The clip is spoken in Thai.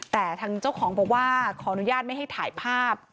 แต่ทางเจ้าของบอกว่าขออนุญาตไม่ให้ถ่ายภาพ